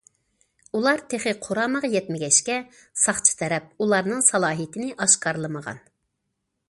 ئۇلار تېخى قۇرامىغا يەتمىگەچكە ساقچى تەرەپ ئۇلارنىڭ سالاھىيىتىنى ئاشكارىلىمىغان.